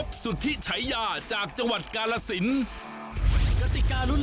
พร้อมให้กำลังหาผู้โชคดีกันอยู่